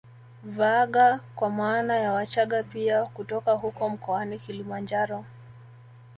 Vaagha kwa maana ya Wachaga pia kutoka huko mkoani Kilimanjaro